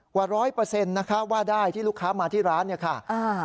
กว่าร้อยเปอร์เซ็นต์นะคะว่าได้ที่ลูกค้ามาที่ร้านเนี่ยค่ะอ่า